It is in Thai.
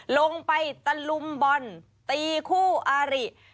ลงไปตะลุมบอลตีคู่อาริ